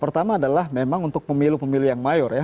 pertama adalah memang untuk pemilu pemilu yang mayor ya